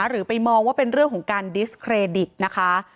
หรือไปมองว่าเป็นเรื่องของการดิสเครดิตนะคะ